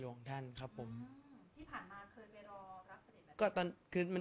สงฆาตเจริญสงฆาตเจริญ